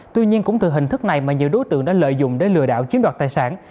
tuy nhiên cũng từ hình thức này mà nhiều đối tượng đã lợi dụng để lừa đảo chiếm đoạt tài sản